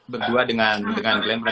berdua dengan glenn